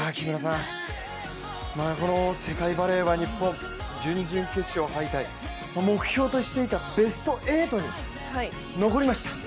この世界バレーは日本、準々決勝敗退、目標としていたベスト８に残りました。